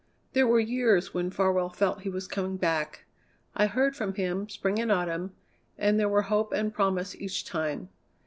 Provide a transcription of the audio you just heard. "There were years when Farwell felt he was coming back. I heard from him spring and autumn, and there were hope and promise each time.